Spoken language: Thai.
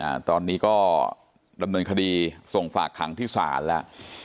อ่าตอนนี้ก็ดำเนินคดีส่งฝากขังที่ศาลแล้ว